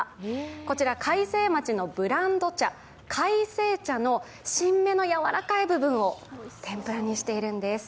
こちら、開成町のブランド茶、快晴茶の新芽のやわらかい部分を天ぷらにしているんです。